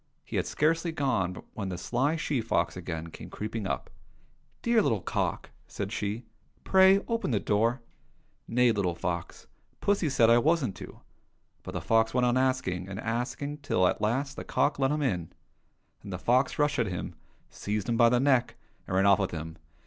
He had scarcely gone when the sly she fox again came creeping up. " Dear little cock !" said she, " pray open the door !"—Nay, little fox ! Pussy said I wasn't to." But the fox went on asking and asking till at last the cock 191 COSSACK FAIRY TALES let him in. Then the fox rushed at him, seized him by the neck, and ran off with him.